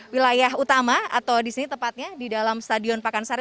wilayah utama atau disini tepatnya di dalam stadion pakansari